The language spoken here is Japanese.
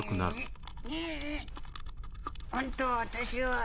本当は私は。